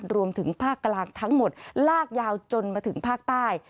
รวมถึงภาคกลางทั้งหมดลากยาวจนมาถึงภาคใต้